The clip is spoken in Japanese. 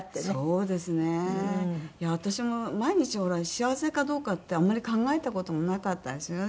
幸せかどうかってあんまり考えた事もなかったんですよね。